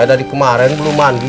jaya dari kemaren belum mandi